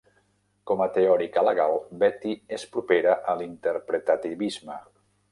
Com a teòrica legal, Betti és propera a l'interpretativisme.